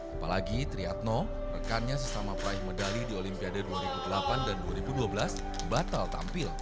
apalagi triatno rekannya sesama peraih medali di olimpiade dua ribu delapan dan dua ribu dua belas batal tampil